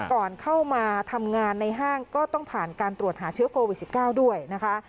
ก่อนเข้ามาทำงานในห้างก็ต้องผ่านการตรวจหาเชื้อโควิด๑๙ด้วยนะคะ